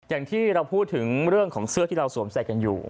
อย่างที่เราพูดถึงเรื่องของเสื้อที่เราสวมใส่กันอยู่